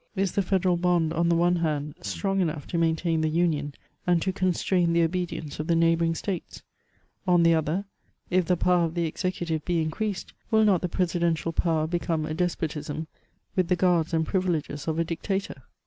Is the federal bond, on the one hand, strong enough to maintain the union, and to constrain the obedience of the neighbouring states ? On the other, if the power of the executive be increased, will not the pre sidential power become a despotism, with the guards and privi leges of a dictator